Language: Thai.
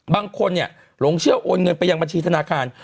บางคนหลงเชื่อโอนเงินไปยังบัญชีธนาคาร